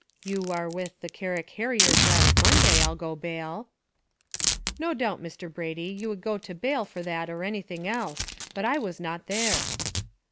You war with the Carrick harriers last Monday, I'll go bail." "No doubt, Mr. Brady, you would go bail for that or anything else; but I was not there."